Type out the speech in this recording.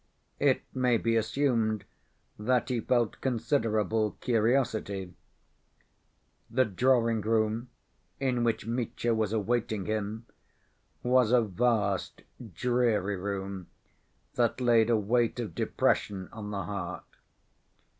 It may be assumed that he felt considerable curiosity. The drawing‐room in which Mitya was awaiting him was a vast, dreary room that laid a weight of depression on the heart.